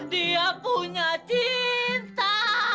dia punya cinta